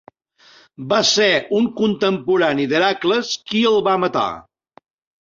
Va ser un contemporani d'Heracles qui el va matar.